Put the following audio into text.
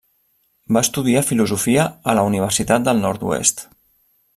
Va estudiar filosofia a la Universitat del Nord-oest.